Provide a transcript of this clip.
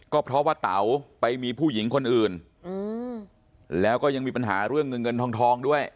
ก็เพราะว่าเต๋าไปมีผู้หญิงคนอื่นแล้วก็ยังมีปัญหาเรื่องเงินเงินทองทองด้วย